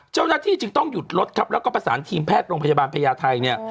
เจ้าหน้าที่จึงต้องหยุดรถครับแล้วก็ประสานทีมแพทย์โรงพยาบาลพญาไทยเนี่ย